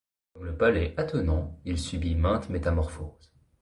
Comme le palais attenant, il subit maintes métamorphoses.